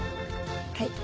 はい。